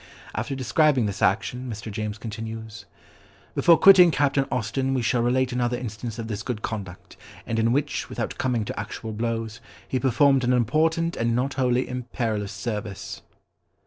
After describing this action, Mr. James continues— "Before quitting Captain Austen we shall relate another instance of his good conduct; and in which, without coming to actual blows, he performed an important and not wholly imperilous service."